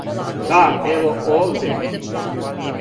Да, ево овде.